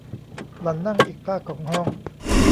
หล่อนนั่งอีกฟากของห้อง